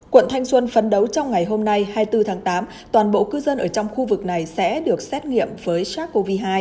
quận thanh xuân phấn đấu trong ngày hôm nay hai mươi bốn tháng tám toàn bộ cư dân ở trong khu vực này sẽ được xét nghiệm với sars cov hai